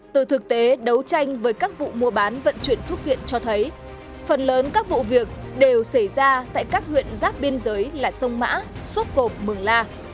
từ thực tế đấu tranh với các vụ mua bán vận chuyển thuốc viện cho thấy phần lớn các vụ việc đều xảy ra tại các huyện giáp biên giới là sông mã sốt cộp mường la